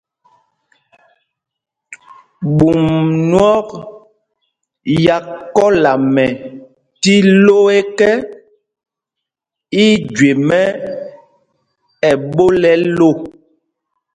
Ɓum nyɔk ya kɔla mɛ tí ló ekɛ, í í jüe mɛ́ ɛɓol ɛ lō.